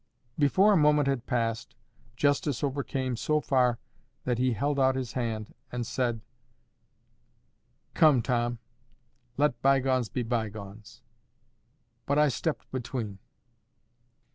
Before a moment had passed, justice overcame so far that he held out his hand and said:— "Come, Tom, let by gones be by gones." But I stepped between.